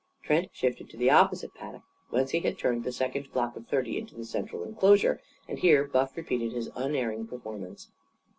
Trent shifted to the opposite paddock, whence he had turned the second flock of thirty into the central enclosure. And here Buff repeated his unerring performance.